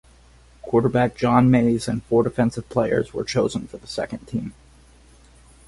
Quarterback John Mayes and four defensive players were chosen for the second team.